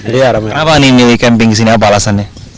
rame rame kenapa ini milih camping di sini apa alasannya